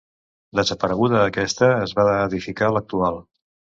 Desapareguda aquesta es va edificar l'actual.